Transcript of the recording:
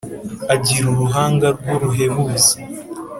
agira uruhanga rw’uruhebuza,